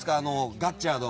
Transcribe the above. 「ガッチャード」